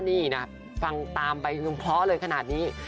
นี่นะกะล้องนึมพ่อเลยขนาดนี้